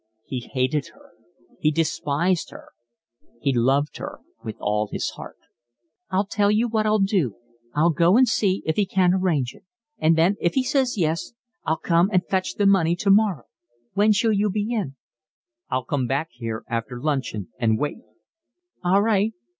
He hated her, he despised her, he loved her with all his heart. "I'll tell you what I'll do, I'll go and see if he can't arrange it. And then, if he says yes, I'll come and fetch the money tomorrow. When shall you be in?" "I'll come back here after luncheon and wait." "All right."